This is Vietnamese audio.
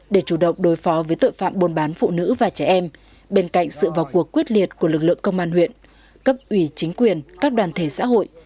để chủ động đối phó với tội phạm buôn bán phụ nữ và trẻ em bên cạnh sự vào cuộc quyết liệt của lực lượng công an huyện cấp ủy chính quyền các đoàn thể xã hội